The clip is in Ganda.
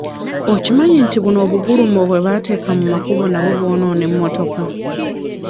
Okimanyi nti buno obugulumo bwe bateeka mu makubo nabwo bwonoona emmotoka?